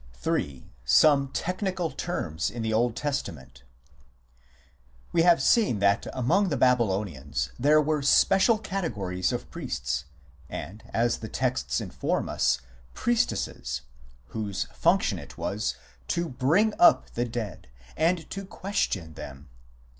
III. SOME TECHNICAL TERMS IN THE OLD TESTAMENT We have seen that among the Babylonians there were special categories of priests, and, as the texts inform us, priestesses, whose function it was to " bring up " the idead, and to "question" them.